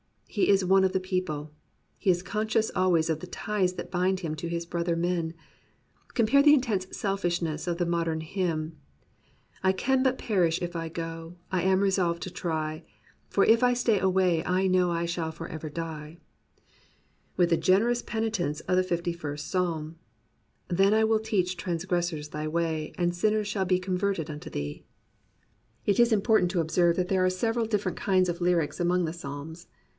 He is one of the people. He is conscious always of the ties that bind him to his brother men. Compare the intense selfishness of the modern hynm: I can but perish if I go; I am resolved to try; For if I stay away, I know I shall forever die; with the generous penitence of the Fifty first Psalm : Then will I teach transgressors thy way; And sinners shall be converted unto thee. 49 COMPANIONABLE BOOKS It is important to observe that there are several different kinds of lyrics among the Psalms.